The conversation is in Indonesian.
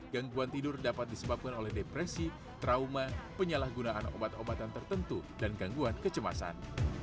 gangguan tidur dapat disebabkan oleh depresi trauma penyalahgunaan obat obatan tertentu dan gangguan kecemasan